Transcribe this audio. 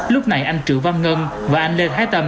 lúc này anh triệu văn ngân và anh lê thái tâm